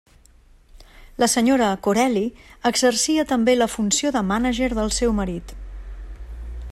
La senyora Corelli exercia també la funció de mànager del seu marit.